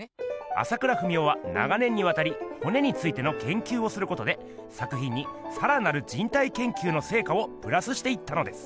朝倉文夫は長年にわたり骨についてのけんきゅうをすることで作品にさらなる人体研究のせいかをプラスしていったのです。